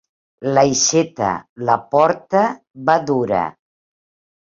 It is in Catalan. L'aixeta, la porta, va dura.